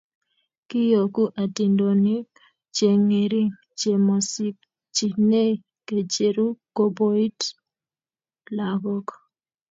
kiiyoku atindonik che ngering che mosingchinei kecheru koboit lakok